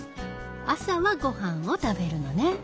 朝はご飯を食べるのね。